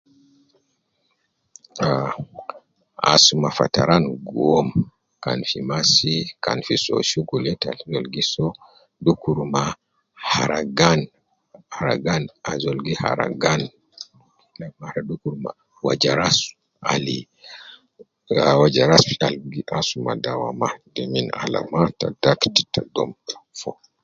Ah, asuma fataran guwam, kan fi masi, kan fi soo shokol tan ab anas gi soo dukur ma haragan haragan ajol gi haragan dukur ma waja ras al ah waja ras al gi asuma dawa mma de min alama ta dakt ta dom.